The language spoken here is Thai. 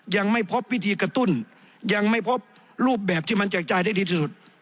ยังไม่พบวิธีกระตุ้นยังไม่พบรูปแบบที่มันแจกจ่ายได้ดีที่สุด